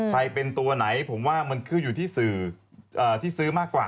ใครเป็นตัวไหนผมว่ามันขึ้นอยู่ที่สื่อที่ซื้อมากกว่า